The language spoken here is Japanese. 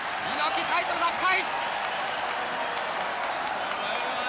猪木、タイトル奪回！